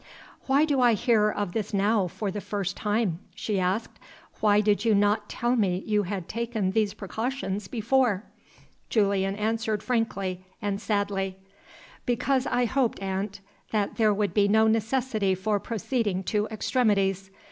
"Why do I hear of this now for the first time?" she asked. "Why did you not tell me you had taken these precautions before?" Julian answered frankly and sadly. "Because I hoped, aunt, that there would be no necessity for proceeding to extremities.